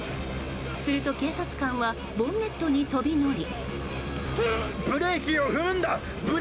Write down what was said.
すると、警察官はボンネットに飛び乗り。